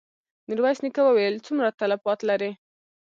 ميرويس نيکه وويل: څومره تلفات لرې؟